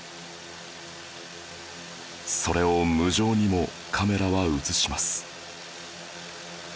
それを無情にもカメラは映します